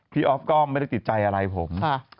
ออฟก็ไม่ได้ติดใจอะไรผม